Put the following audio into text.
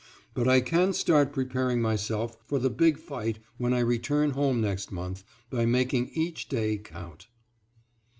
But I can start preparing myself for the big fight when I return home next month by making each day count.